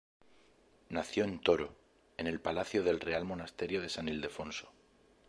Nació en Toro, en el palacio del Real Monasterio de San Ildefonso.